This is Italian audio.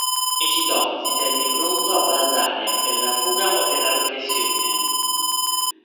Esitò, si tenne pronto a balzare, per la fuga o per l'aggressione.